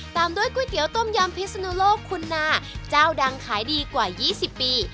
ตามด้วยก๋วยเตี๋ยต้มยำพิศนุโลกคุณนาเจ้าดังขายดีกว่า๒๐ปี